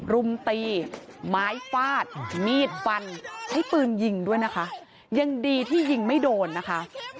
รุมตีไม้ฟาดมีดฟันใช้ปืนยิงด้วยนะคะยังดีที่ยิงไม่โดนนะคะ